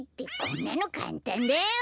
こんなのかんたんだよ！